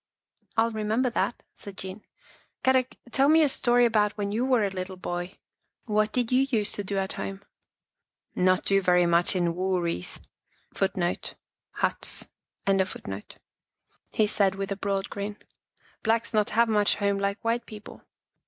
" I'll remember that," said Jean. " Kadok, tell me a story about when you were a little boy. What did you used to do at home? "" Not do very much in wuuries," 1 he said with a broad grin. " Blacks not have much home like white people.